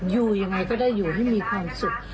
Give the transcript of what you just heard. อยู่ยังไงก็ได้อยู่ให้มีความสุข